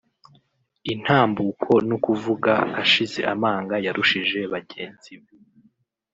intambuko no kuvuga ashize amanga yarushije bagenzi be